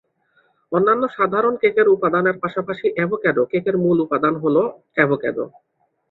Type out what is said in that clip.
অন্যান্য সাধারণ কেকের উপাদানের পাশাপাশি অ্যাভোকাডো কেকের মূল উপাদান হল অ্যাভোকাডো।